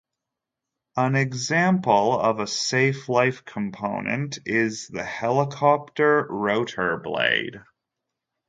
An example of a safe-life component is the helicopter rotor blade.